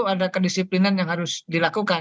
ada kedisiplinan yang harus dilakukan